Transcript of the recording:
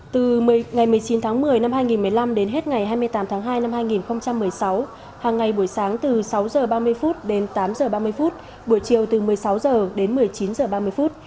từ ngày một mươi chín tháng một mươi năm hai nghìn một mươi năm đến hết ngày hai mươi tám tháng hai năm hai nghìn một mươi sáu hàng ngày buổi sáng từ sáu giờ ba mươi phút đến tám giờ ba mươi phút buổi chiều từ một mươi sáu giờ đến một mươi chín giờ ba mươi phút